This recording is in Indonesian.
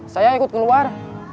saya ikut keluar